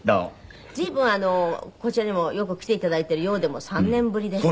随分こちらにもよく来て頂いているようでも３年ぶりですって。